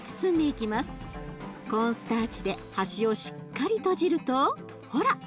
コーンスターチで端をしっかり閉じるとほら！